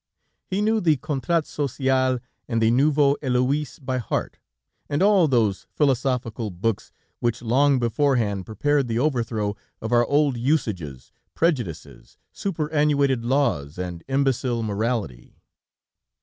He knew the Contrat Social, and the Nouvelle Héloîse by heart, and all those philosophical books which long beforehand prepared the overthrow of our old usages, prejudices, superannuated laws and imbecile morality.